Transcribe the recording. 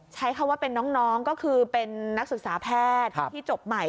ใช้คำว่าเป็นน้องก็คือเป็นนักศึกษาแพทย์ที่จบใหม่